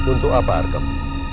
untuk apa artem